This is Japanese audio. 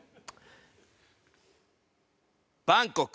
バンコク。